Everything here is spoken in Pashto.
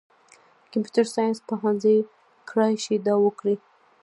کمپیوټر ساینس پوهنځۍ کړای شي دا وکړي.